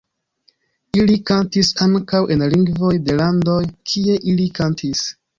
Ili kantis ankaŭ en lingvoj de landoj, kie ili kantis.